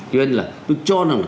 nên là tôi cho rằng